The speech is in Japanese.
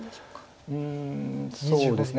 うんそうですね